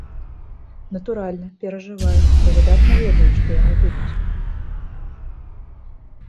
Натуральна, перажываю, бо выдатна ведаю, што яны будуць.